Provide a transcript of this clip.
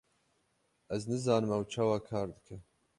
Ez nizanim ew çawa kar dike.